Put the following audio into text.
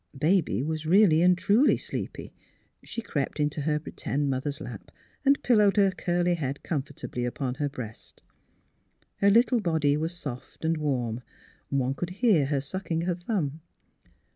Baby was really and truly sleepy; she crept into her p'tend mother's lap and pillowed her curly head comfortably upon her breast. Her lit tle body was soft and warm; one could hear her sucking her thumb.